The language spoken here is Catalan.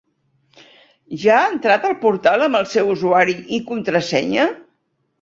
Ja ha entrat al portal amb el seu usuari i contrasenya?